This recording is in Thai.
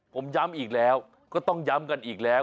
ผมย้ำอีกแล้วก็ต้องย้ำกันอีกแล้ว